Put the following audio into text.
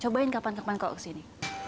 cobain kapan kapan kok kesini